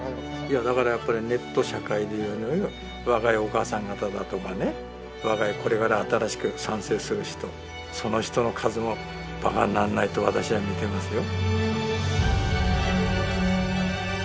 だからやっぱりネット社会で若いお母さん方だとかね若いこれから新しく参政する人その人の数もばかにならないと私はみてますよ。